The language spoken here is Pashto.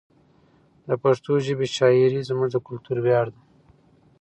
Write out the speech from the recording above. د پښتو ژبې شاعري زموږ د کلتور ویاړ ده.